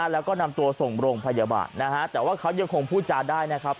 แล้วก็นำตัวส่งโรงพยาบาลนะฮะแต่ว่าเขายังคงพูดจาได้นะครับ